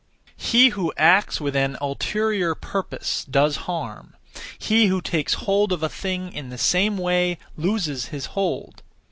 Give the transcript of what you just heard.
He who acts (with an ulterior purpose) does harm; he who takes hold of a thing (in the same way) loses his hold.